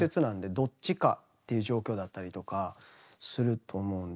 どっちかっていう状況だったりとかするともうね。